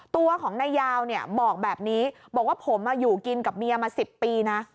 ตัวของนายาวเนี่ยบอกแบบนี้บอกว่าผมอ่ะอยู่กินกับเมียมาสิบปีนะ